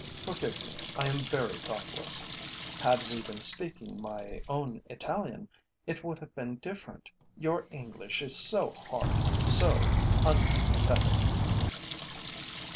"Forgive me, I am very thoughtless. Had we been speaking my own Italian it would have been different. Your English is so hard, so unsympathetic."